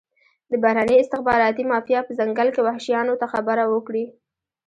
د بهرني استخباراتي مافیا په ځنګل کې وحشیانو ته خبره وکړي.